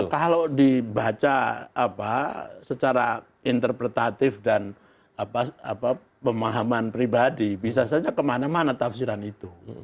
kalau dibaca secara interpretatif dan pemahaman pribadi bisa saja kemana mana tafsiran itu